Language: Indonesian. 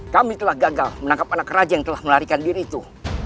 kami telah gagal menangkap anak raja yang telah melarikan diri itu